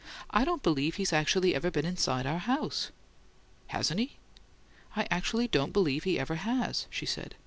I don't believe he's actually ever been inside our house!" "Hasn't he?" "I actually don't believe he ever has," she said.